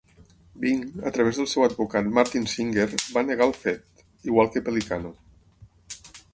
Bing, a través del seu advocat Martin Singer, va negar el fet, igual que Pellicano.